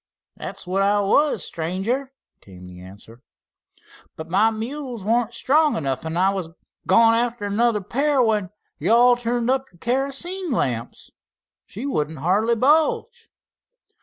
"That's what I was, stranger" came the answer. "But my mules wa'n't strong enough. I was goin' arter another pair when yo' all turned up your kerosene lamps. She wouldn't hardly budge."